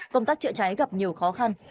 công tác trị cháy gặp nhiều khó khăn